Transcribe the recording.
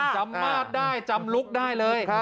สามารถได้จำลุกได้เลย